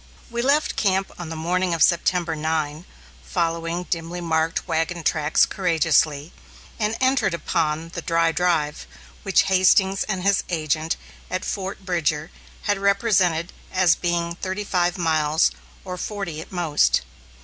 We left camp on the morning of September 9, following dimly marked wagon tracks courageously, and entered upon the "dry drive," which Hastings and his agent at Fort Bridger had represented as being thirty five miles, or forty at most.